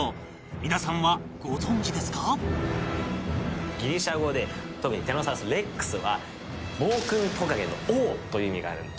皆さんはご存じですか？ギリシャ語でティラノサウルスレックスは暴君トカゲの王という意味があるんです。